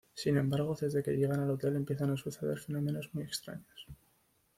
Sin embargo, desde que llegan al hotel empiezan a suceder fenómenos muy extraños.